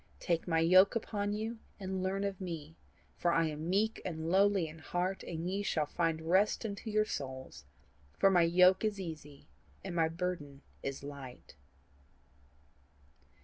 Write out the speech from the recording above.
TAKE MY YOKE UPON YOU, AND LEARN OF ME; FOR I AM MEEK AND LOWLY IN HEART: AND YE SHALL FIND REST UNTO YOUR SOULS. FOR MY YOKE IS EASY AND MY BURDEN IS LIGHT."